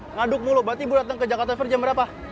ngaduk mulu berarti ibu datang ke jakarta fair jam berapa